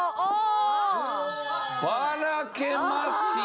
ばらけました。